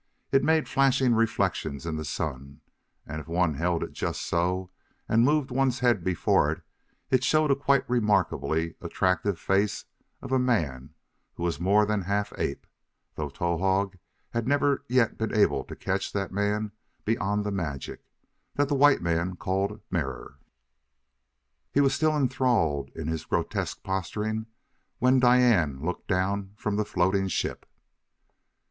It made flashing reflections in the sun; and if one held it just so, and moved one's head before it, it showed a quite remarkably attractive face of a man who was more than half ape though Towahg had never yet been able to catch that man beyond the magic that the white men called "mirror." He was still enthralled in his grotesque posturing when Diane looked down from the floating ship.